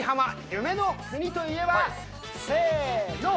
夢の国といえば、せーの。